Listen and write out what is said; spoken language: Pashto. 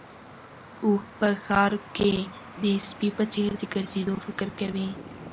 اوښ په ښار کې د سپي په څېر د ګرځېدو فکر کوي.